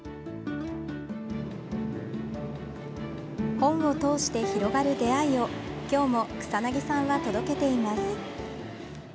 本を通して広がる出会いを今日も草薙さんは届けています。